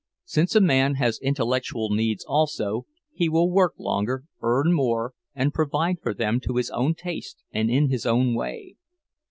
Since a man has intellectual needs also, he will work longer, earn more, and provide for them to his own taste and in his own way.